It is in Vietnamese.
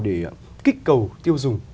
để kích cầu tiêu dùng